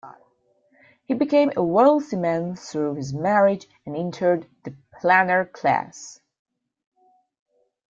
He became a wealthy man through this marriage and entered the planter class.